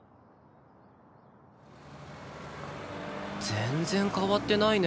全然変わってないね